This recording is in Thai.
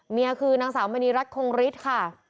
นี่คือนางสาวมณีรัฐคงฤทธิ์ค่ะ